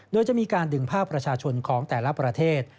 โดยจะมีการดึงภาพประชาชนของแต่ละประเทศ